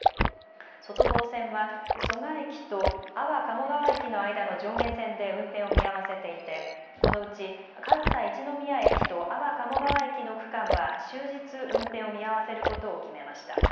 外房線は蘇我駅と安房鴨川駅の間の上下線で運転を見合わせていてこのうち上総一ノ宮駅と安房鴨川駅の区間は終日運転を見合わせることを決めました。